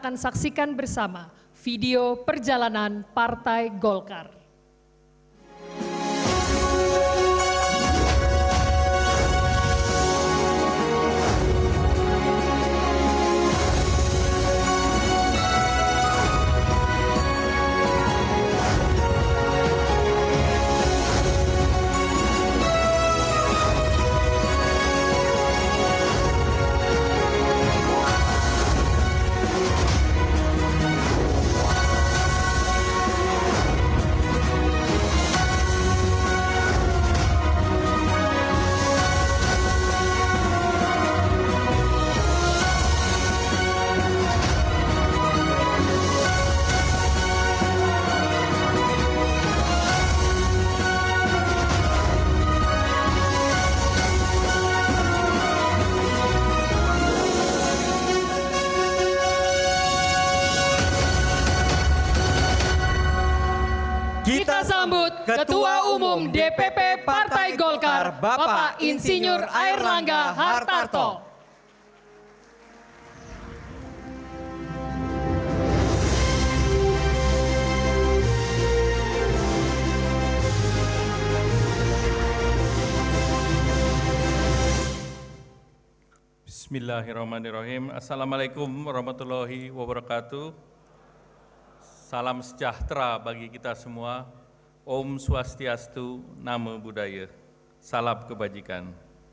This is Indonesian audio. namo buddhaya salam kebajikan